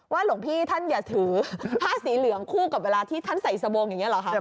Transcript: หลวงพี่ท่านอย่าถือผ้าสีเหลืองคู่กับเวลาที่ท่านใส่สบงอย่างนี้เหรอคะ